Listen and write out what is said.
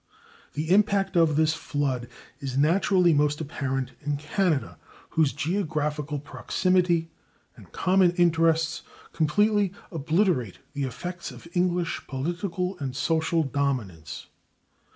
The impact of this flood is naturally most apparent in Canada, whose geographical proximity and common interests completely obliterate the effects of English political and social dominance.